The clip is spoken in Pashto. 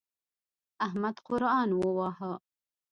احمد قرآن وواهه.